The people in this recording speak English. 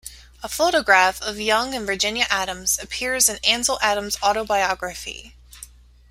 A photograph of Young and Virginia Adams appears in Ansel Adams's autobiography.